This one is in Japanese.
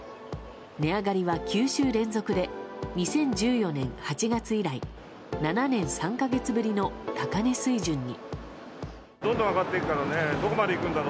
値上がりは９週連続で２０１４年８月以来７年３か月ぶりの高値水準に。